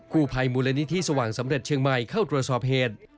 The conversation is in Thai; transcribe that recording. ผู้ภัยมูลนิธิสว่างสำเร็จเชียงใหม่เข้าตรวจสอบเหตุ